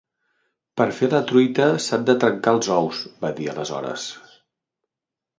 Per fer la truita s’han de trencar els ous, va dir aleshores.